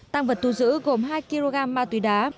tăng vật thu giữ gồm hai kg ma túy đá